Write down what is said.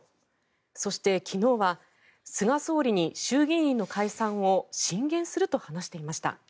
そして、昨日は菅総理に衆議院の解散を進言すると話していました。